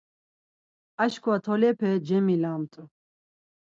Aşǩva tolepe cemilamt̆u.